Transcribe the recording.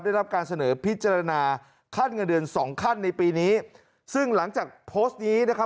ได้รับการเสนอพิจารณาขั้นเงินเดือนสองขั้นในปีนี้ซึ่งหลังจากโพสต์นี้นะครับ